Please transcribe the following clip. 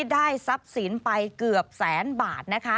ได้ทรัพย์ศีลภัยเกือบแสนบาท